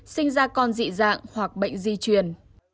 sinh ra con dị dạng hoặc bệnh di truyền